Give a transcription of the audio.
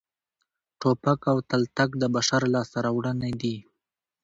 ټوپک او تلتک د بشر لاسته راوړنې دي